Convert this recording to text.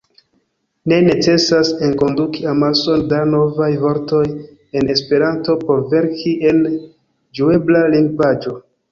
Ne necesas enkonduki amason da novaj vortoj en Esperanto por verki en ĝuebla lingvaĵo.